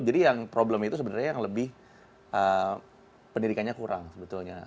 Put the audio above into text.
jadi yang problem itu sebenarnya yang lebih pendidikannya kurang sebetulnya